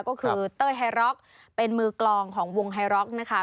ก็คือเต้ยไฮร็อกเป็นมือกลองของวงไฮร็อกนะคะ